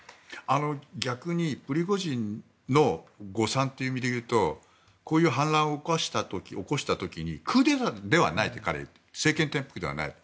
逆にプリゴジンの誤算という意味で言うとこういう反乱を起こした時にクーデターではないと彼は言っていて政権転覆ではないと。